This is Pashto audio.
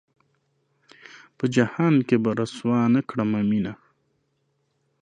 پۀ جهان کښې به رسوا نۀ کړمه مينه